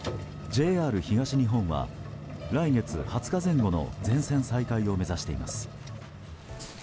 ＪＲ東日本は来月２０日前後の全線再開を目指しています。